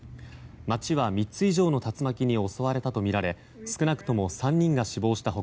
街は３つ以上の竜巻に襲われたとみられ少なくとも３人が死亡した他